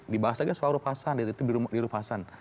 dibahas lagi soal rupasan